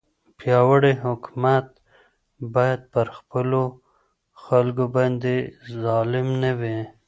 پیاوړی حکومت باید پر خپلو خلکو باندې ظالم نه وي.